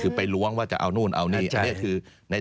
คือไปรวงจะเอานู้นเอานี่